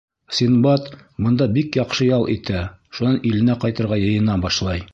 Синдбад бында бик яҡшы ял итә, шунан иленә ҡайтырға йыйына башлай.